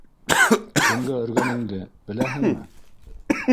- Кемгә өргәнеңде... беләһеңме?